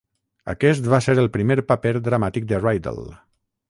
Aquest va ser el primer paper dramàtic de Rydell.